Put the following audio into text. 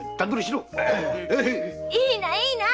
いいなじゃいいな！